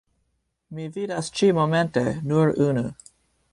Mi vidas ĉi-momente nur unu.